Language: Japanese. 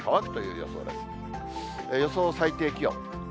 予想最低気温。